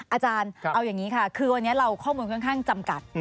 อาจารย์เอาอย่างนี้ค่ะคือวันนี้เราข้อมูลค่อนข้างจำกัด